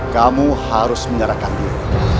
kamu harus menyerahkan diri